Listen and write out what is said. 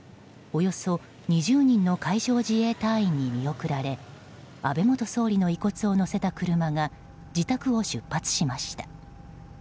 およそ２０人の海上自衛隊員に見送られ安倍元総理の遺骨を載せた車が自宅を出発しました。